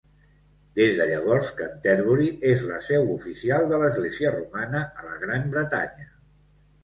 Des de llavors, Canterbury és la seu oficial de l'Església romana a la Gran Bretanya.